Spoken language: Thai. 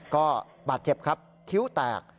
ก็บาดเจ็บครับคิ้วแตก